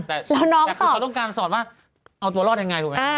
แต่คือเขาต้องการสอนว่าเอาตัวรอดยังไงถูกไหม